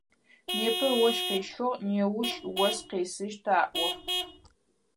Непэ ощх къещхыгъ, неущ ос къесыщт аӏо.